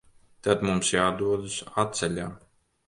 Tad mums jādodas atceļā.